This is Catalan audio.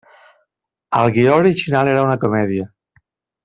El guió original era una comèdia.